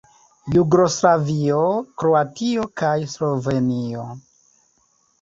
Jugoslavio, Kroatio kaj Slovenio.